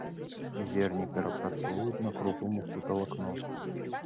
Зерне перапрацоўваюць на крупы, муку, талакно.